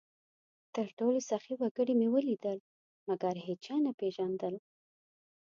تر ټولو سخي وګړي مې ولیدل؛ مګر هېچا نه پېژندل،